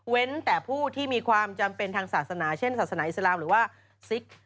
แต่ผู้ที่มีความจำเป็นทางศาสนาเช่นศาสนาอิสลามหรือว่าซิก